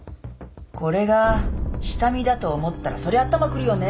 これが下見だと思ったらそりゃ頭くるよねぇ。